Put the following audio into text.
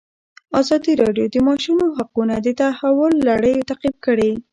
ازادي راډیو د د ماشومانو حقونه د تحول لړۍ تعقیب کړې.